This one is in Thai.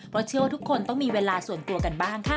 เพราะเชื่อว่าทุกคนต้องมีเวลาส่วนตัวกันบ้างค่ะ